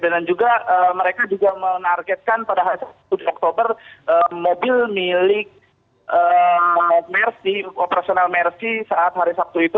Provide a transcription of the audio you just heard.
dan juga mereka juga menargetkan pada hari sabtu dan oktober mobil milik operasional mercy saat hari sabtu itu